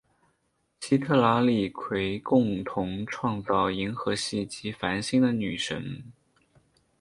西特拉利奎共同创造银河系及繁星的女神。